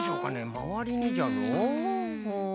まわりにじゃろ。